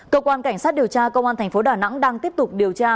cơ quan cảnh sát điều tra công an tp đà nẵng đang tiếp tục điều tra